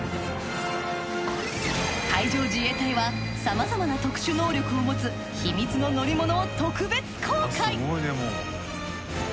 海上自衛隊はさまざまな特殊能力を持つ秘密の乗り物を特別公開！